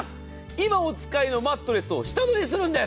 今お使いのマットレスを下取りするんです。